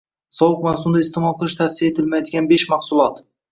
Sovuq mavsumda iste’mol qilish tavsiya etilmaydiganbeshmahsulot